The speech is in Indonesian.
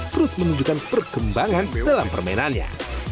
terus menunjukkan perkembangan dalam permainannya